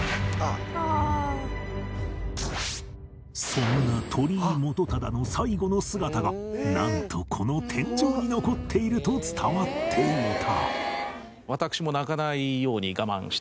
そんな鳥居元忠の最後の姿がなんとこの天井に残っていると伝わっていた